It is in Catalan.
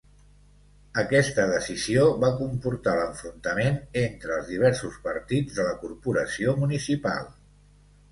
Aquesta decisió va comportar l'enfrontament entre els diversos partits de la corporació municipal.